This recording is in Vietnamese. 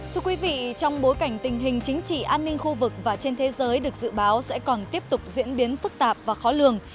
trong bối cảnh tình hình chính trị an ninh khu vực và trên thế giới được dự báo sẽ còn tiếp tục diễn biến phức tạp và khó lường